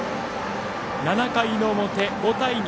７回の表、５対２。